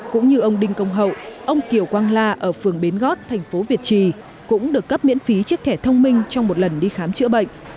cũng như ông đinh công hậu ông kiều quang la ở phường bến gót thành phố việt trì cũng được cấp miễn phí chiếc thẻ thông minh trong một lần đi khám chữa bệnh